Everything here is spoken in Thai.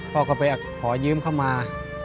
พ่อก็ไปขอยืมเข้ามา